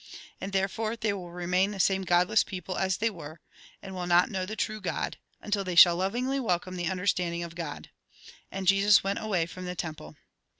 And therefore they will remain the same godless people as they were, and will not know the true God ; until they shall lovingly welcome the understanding of God." And Jesus went away from the temple.